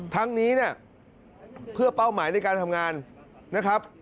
ทั้งนี้เนี่ยเพื่อเป้าหมายในการทำงานนะครับ